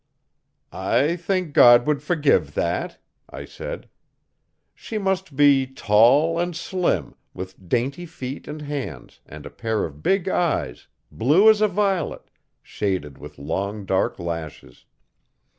'I think God would forgive that,' I said. 'She must be tall and slim, with dainty feet and hands, and a pair of big eyes, blue as a violet, shaded with long dark lashes.